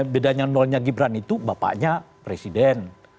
bedanya nolnya gibran itu bapaknya presiden